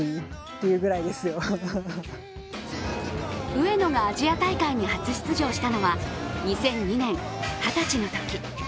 上野がアジア大会に初出場したのは２００２年、二十歳のとき。